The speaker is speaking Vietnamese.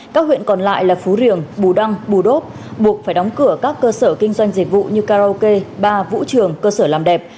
các huyện còn lại là phú riềng bù đăng bù đốp buộc phải đóng cửa các cơ sở kinh doanh dịch vụ như karaoke ba vũ trường cơ sở làm đẹp